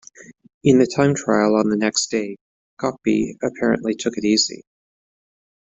In the time trial on the next day, Coppi apparently took it easy.